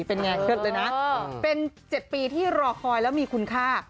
เป็นไงเป็นเจ็ดปีที่รอคอยแล้วมีคุณค่า